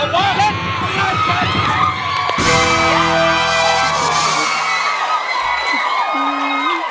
ฟัง